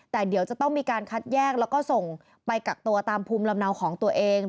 แต่เดี๋ยวจะต้องมีการคัดแยกแล้วก็ส่งไปกักตัวตามภูมิลำเนาของตัวเอง